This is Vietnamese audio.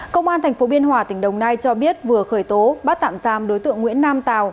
công an tp biên hòa tỉnh đồng nai cho biết vừa khởi tố bắt tạm giam đối tượng nguyễn nam tàu